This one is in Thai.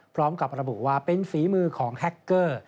พร้อมกับระบุว่าเป็นฝีมือของแฮคเกอร์